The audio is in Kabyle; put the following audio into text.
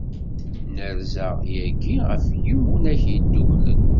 Nerza yagi ɣef Yiwunak Yeddukklen.